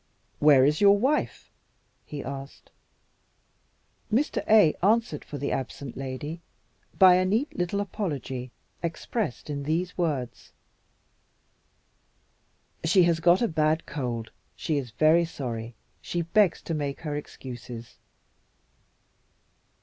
"Where is your wife?" he asked. Mr. A answered for the absent lady by a neat little apology, expressed in these words: "She has got a bad cold. She is very sorry. She begs me to make her excuses."